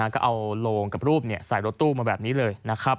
ก็เอาโลงกับรูปใส่รถตู้มาแบบนี้เลยนะครับ